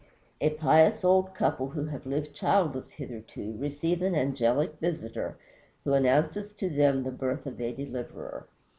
A pious old couple who have lived childless hitherto receive an angelic visitor who announces to them the birth of a deliverer.